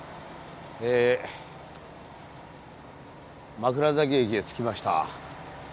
枕崎駅へ着きました。